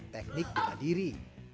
teknik bela diri